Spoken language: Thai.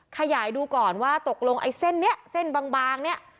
ขยายดูก่อนว่าตกลงไอ้เส้นนี้เส้นบางเนี่ย